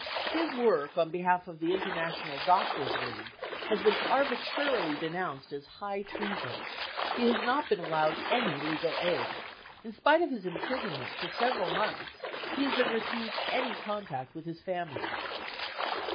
His work on behalf of the international doctors' league has been arbitrarily denounced as c< high treason." He has not been allowed any legal aid. In spite of his imprisonment for several months he has been refused any contact with his family.